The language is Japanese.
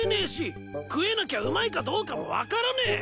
食えなきゃうまいかどうかも分からねえ！